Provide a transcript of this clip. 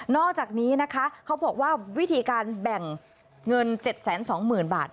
อกจากนี้นะคะเขาบอกว่าวิธีการแบ่งเงิน๗๒๐๐๐บาท